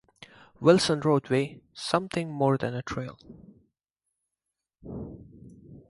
Wilson roadway, something more than a trail.